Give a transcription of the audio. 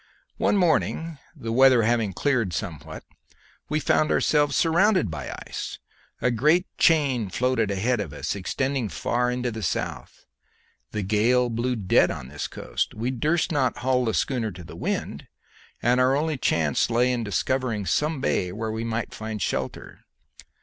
"One morning, the weather having cleared somewhat, we found ourselves surrounded by ice. A great chain floated ahead of us, extending far into the south. The gale blew dead on to this coast; we durst not haul the schooner to the wind, and our only chance lay in discovering some bay where we might find shelter.